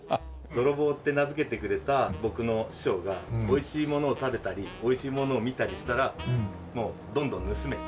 どろぼうって名付けてくれた僕の師匠が「おいしいものを食べたりおいしいものを見たりしたらもうどんどん盗め」って。